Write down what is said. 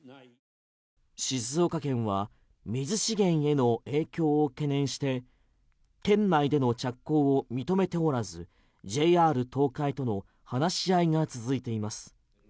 静岡県は水資源への影響を懸念して県内での着工を認めておらずＪＲ東海との話し合いが続いています。